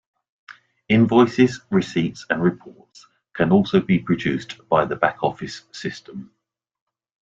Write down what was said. Invoices, receipts, and reports can also be produced by the back-office system.